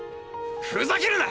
ふざけるな！